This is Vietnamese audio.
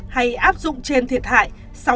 hay áp dụng trên thiệt hại